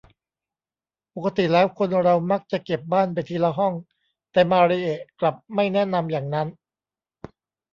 ปกติแล้วคนเรามักจะเก็บบ้านไปทีละห้อง แต่มาริเอะกลับไม่แนะนำอย่างนั้น